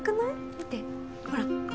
見てほら。